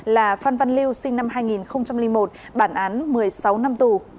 là phan văn lưu sinh năm hai nghìn một bản án một mươi sáu năm tù